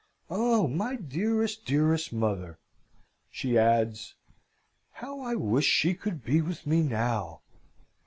Oh, my dearest, dearest mother" (she adds), "how I wish she could be with me now!"